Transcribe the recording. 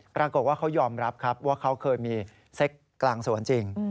ปรากฏว่าเขายอมรับครับว่าเขาเคยมีเซ็กกลางสวนจริง